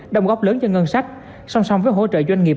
đồng góp lớn cho ngân sách song song với hỗ trợ doanh nghiệp